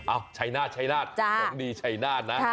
โอ้ใช้นาธใช้นาธของดีใช้นาธนะ